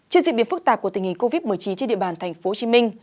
trước diễn biến phức tạp của tình hình covid một mươi chín trên địa bàn tp hcm